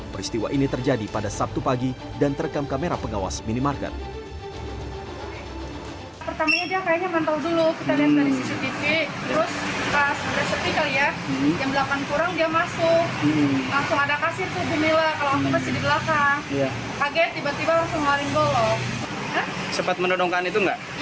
peristiwa ini terjadi pada sabtu pagi dan terekam kamera pengawas minimarket